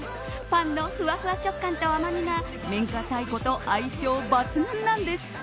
パンのふわふわ食感と甘みがめんたいことは相性抜群なんです。